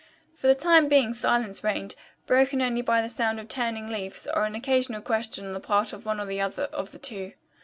For the time being silence reigned, broken only by the sound of turning leaves or an occasional question on the part of one or the other of the two.